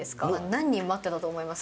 何人待ってたと思います？